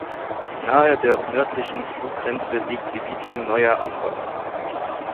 Nahe der nördlichen Flurgrenze liegt die Siedlung Neuer Anbau.